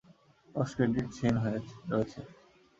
Post-credit scene রয়েছে।